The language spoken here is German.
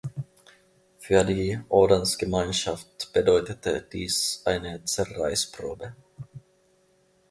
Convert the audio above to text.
Für die Ordensgemeinschaft bedeutete dies eine Zerreißprobe.